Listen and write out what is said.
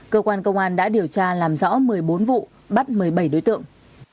cơ quan công an đã điều tra làm rõ một mươi bốn vụ bắt một mươi bảy đối tượng